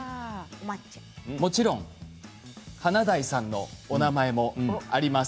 もちろん華大さんのお名前もあります